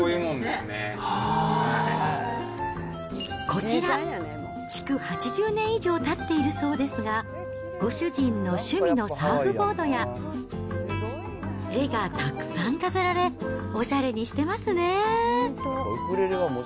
こちら、築８０年以上たっているそうですが、ご主人の趣味のサーフボードや、絵がたくさん飾られ、おしゃれにしてますね。